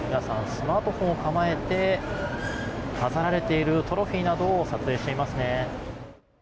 スマートフォンを構えて飾られているトロフィーなどを撮影していますね。